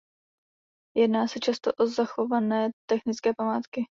Jedná se často o zachované technické památky.